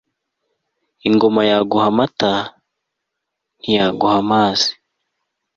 ingoma yaguha amata ntiyaguha amazi